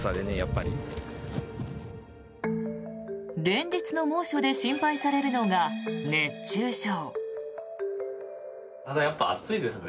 連日の猛暑で心配されるのが熱中症。